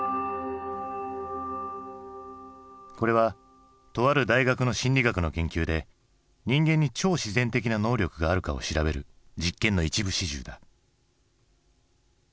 これはとある大学の心理学の研究で人間に超自然的な能力があるかを調べる実験の一部始終だ。